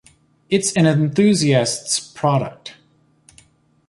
It's an enthusiast's product.